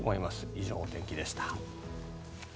以上、お天気でした。